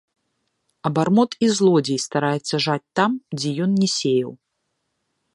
Абармот і злодзей стараецца жаць там, дзе ён не сеяў.